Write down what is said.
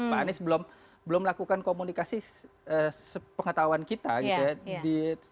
pak anies belum melakukan komunikasi sepengetahuan kita gitu ya